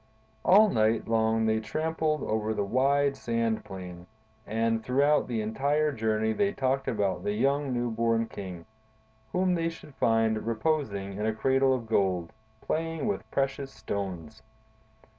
"All night long they tramped over the wide sand plain, and throughout the entire journey they talked about the young, new born king, whom they should find reposing in a cradle of gold, playing with precious stones.